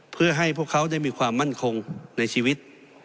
เพื่อให้พวกเขาได้มีความมั่นคงในชีวิต